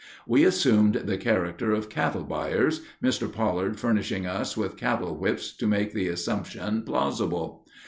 We assumed the character of cattle buyers, Mr. Pollard furnishing us with cattle whips to make the assumption plausible.